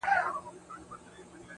• ساقي خراب تراب مي کړه نڅېږم به زه.